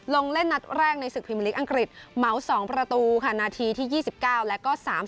ลงเล่นนัดแรกในศึกภีมิลิกอังกฤษเมาส์๒ประตูนาทีที่๒๙และ๓๒